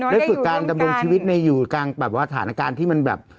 ฝึกการดำรงชีวิตในอยู่กลางแบบว่าสถานการณ์ที่มันแบบ